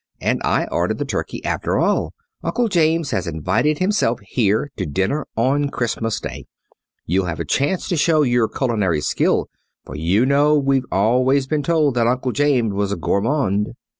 And I ordered the turkey after all. Uncle James has invited himself here to dinner on Christmas Day. You'll have a chance to show your culinary skill, for you know we've always been told that Uncle James was a gourmand."